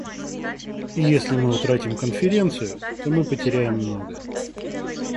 И если мы утратим Конференцию, то мы потеряем многое.